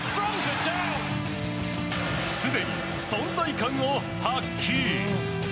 すでに存在感を発揮。